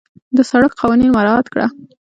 د سړک قوانين مراعت کړه.